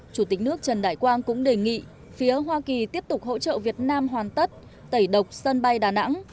chủ tịch nước trần đại quang cũng đề nghị phía hoa kỳ tiếp tục hỗ trợ việt nam hoàn tất tẩy độc sân bay đà nẵng